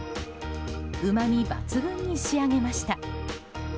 うまみ抜群に仕上げました。